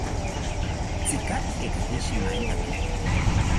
¿Tzika ijekaki shimaentaki?